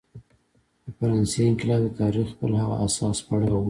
د فرانسې انقلاب د تاریخ بل هغه حساس پړاو و.